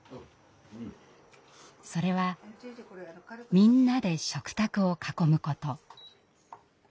それはみんなで食卓を囲むこと。